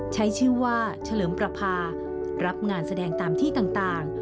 ใช้ชื่อว่าเฉลิมประพารับงานแสดงตามที่ต่าง